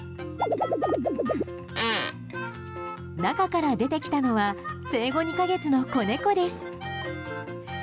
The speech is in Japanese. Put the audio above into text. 中から出てきたのは生後２か月の子猫です。